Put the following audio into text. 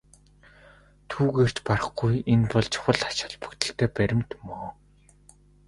Түүгээр ч барахгүй энэ бол чухал ач холбогдолтой баримт мөн.